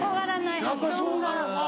やっぱりそうなのか。